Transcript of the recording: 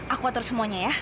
aku atur semuanya ya